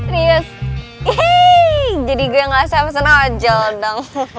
rius jadi gue yang ngasih apa apa senang aja lo dong